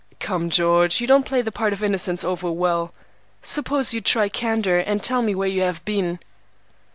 "Come, George, you don't play the part of Innocence over well. Suppose you try Candor, and tell me where you have been."